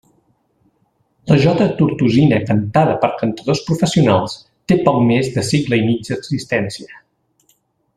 La jota tortosina cantada per cantadors professionals té poc més de segle i mig d'existència.